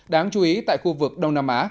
đáng chú ý tại khu vực đông nam á